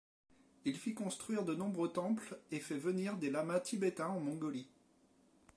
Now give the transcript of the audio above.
Il fit construire de nombreux temples et fait venir des lamas tibétains en Mongolie.